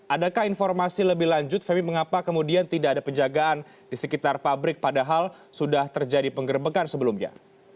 adakah informasi lebih lanjut femi mengapa kemudian tidak ada penjagaan di sekitar pabrik padahal sudah terjadi penggerbekan sebelumnya